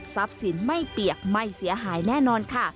สินไม่เปียกไม่เสียหายแน่นอนค่ะ